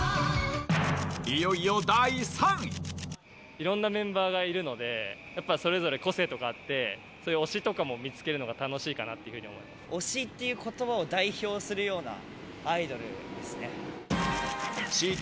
いろんなメンバーがいるので、やっぱそれぞれ個性とかあって、そういう推しとかも見つけるのが楽しいかなっていうふうに思いま推しっていうことばを代表すＣＤ